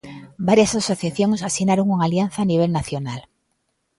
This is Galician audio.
Varias asociacións asinaron unha alianza a nivel nacional.